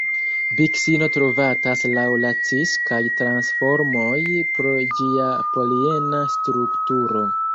Biksino trovatas laŭ la cis kaj trans formoj pro ĝia poliena strukturo.